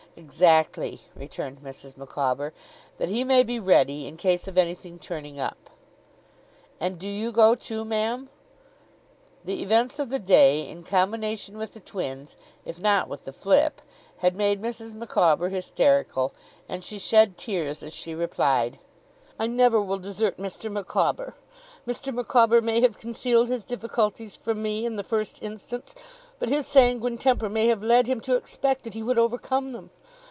'Exactly,' returned Mrs. Micawber. 'That he may be ready in case of anything turning up.' 'And do you go too, ma'am?' The events of the day, in combination with the twins, if not with the flip, had made Mrs. Micawber hysterical, and she shed tears as she replied: 'I never will desert Mr. Micawber. Mr. Micawber may have concealed his difficulties from me in the first instance, but his sanguine temper may have led him to expect that he would overcome them.